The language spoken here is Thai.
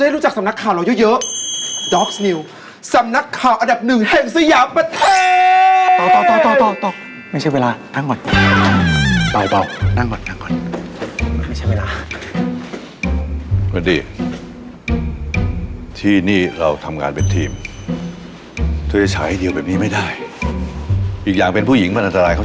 ดังรอดีแล้วนี่คะคนจะได้รู้จักสำนักข่าวเราเยอะ